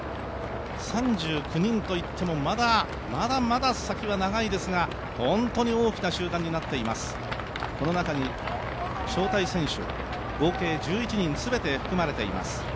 ３９人といってもまだ、まだまだ先は長いですが本当に大きな集団になっています、この中に招待選手合計１１人、すべて含まれています。